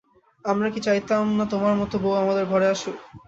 আমরা কি চাইতাম না তোমার মতো বৌ আমাদের ঘরে আসুক!